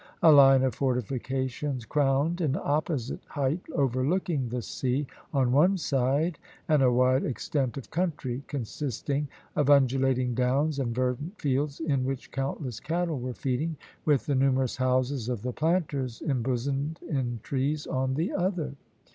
A line of fortifications crowned an opposite height overlooking the sea on one side, and a wide extent of country, consisting of undulating downs and verdant fields, in which countless cattle were feeding, with the numerous houses of the planters embosomed in trees on the other.